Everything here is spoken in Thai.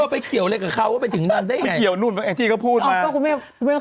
ไปเกี่ยวนู่นบางทีเขาพูดมา